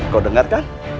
kau dengar kan